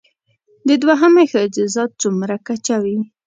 د دوهمې ښځې ذات څومره کچه وي